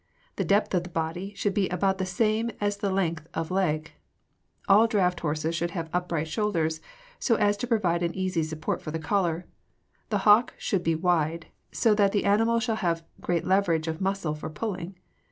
The depth of the body should be about the same as the length of leg. All draft horses should have upright shoulders, so as to provide an easy support for the collar. The hock should be wide, so that the animal shall have great leverage of muscle for pulling.